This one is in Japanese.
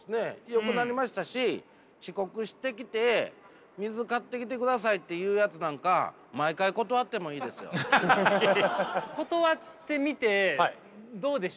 よくなりましたし遅刻してきて水買ってきてくださいっていうやつなんか断ってみてどうでした？